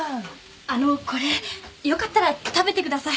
あのこれよかったら食べてください。